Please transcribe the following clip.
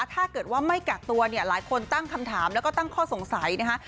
ถ้าเกิดว่าไม่กักตัวเนี่ยหลายคนตั้งคำถามแล้วก็ตั้งข้อสงสัยนะคะ